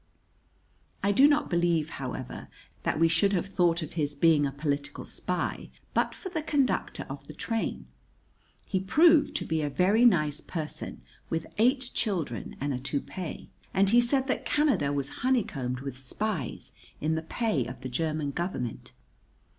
I do not believe, however, that we should have thought of his being a political spy but for the conductor of the train. He proved to be a very nice person, with eight children and a toupee; and he said that Canada was honeycombed with spies in the pay of the German Government.